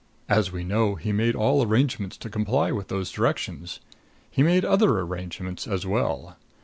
As we know, he made all arrangements to comply with those directions. He made other arrangements as well.